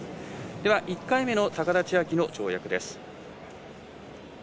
では１回目の高田千明の跳躍です。